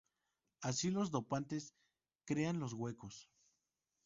Así los dopantes crean los "huecos".